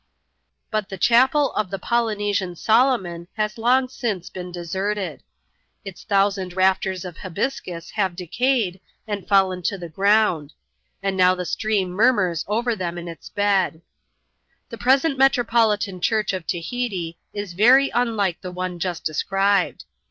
But the chapel of the Polynesian Solomon has long since been deserted. Its thousand rafters of habiscus have decayed, and fallen to the ground ; and now the stream murmurs over tiiem in its bed. The present metropolitan church of Tahiti is very unlike the one just described.